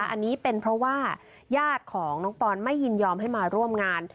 อันนี้เป็นเพราะว่าญาติของน้องปอนไม่ยินยอมให้มาร่วมงาน